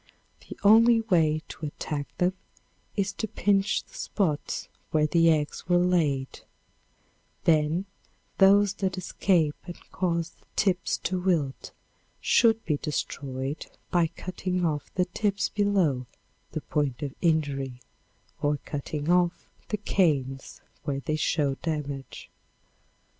The only way to attack them is to pinch the spots where the eggs were laid; then those that escape and cause the tips to wilt should be destroyed by cutting off the tips below the point of injury or cutting off the canes when they show damage.